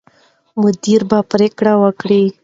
مدیر به پرېکړه وکړي.